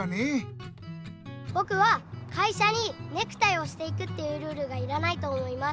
ぼくは会社にネクタイをして行くというルールがいらないと思います。